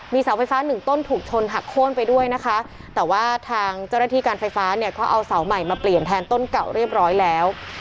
เสาไฟฟ้าหนึ่งต้นถูกชนหักโค้นไปด้วยนะคะแต่ว่าทางเจ้าหน้าที่การไฟฟ้าเนี่ยเขาเอาเสาใหม่มาเปลี่ยนแทนต้นเก่าเรียบร้อยแล้ว